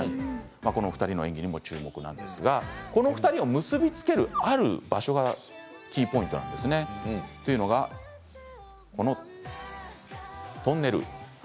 この２人の演技にも注目なんですが、この２人を結び付けるある場所がキーポイントなんですね。というのが、このトンネル。